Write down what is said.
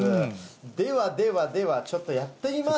ではではでは、ちょっとやってみます。